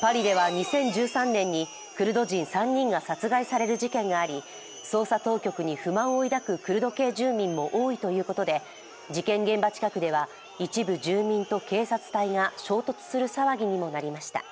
パリでは２０１３年にクルド人３人が殺害される事件があり捜査当局に不満を抱くクルド系住民も多いということで事件現場近くでは一部住民と警察隊が衝突する騒ぎにもなりました。